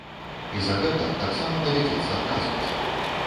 І за гэта таксама давядзецца адказваць.